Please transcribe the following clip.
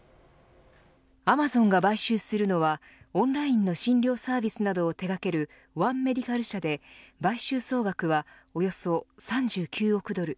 アマゾンが買収するのはオンラインの診療サービスなどを手掛けるワン・メディカル社で買収総額はおよそ３９億ドル。